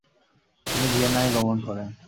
তিনি ভিয়েনায় গমন করেন।